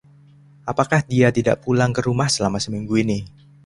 Apakah dia tidak pulang ke rumah selama seminggu ini..?